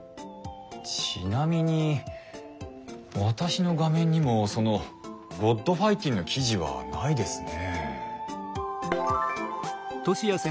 ちなみに私の画面にもその「ｇｏｄファイティン」の記事はないですね。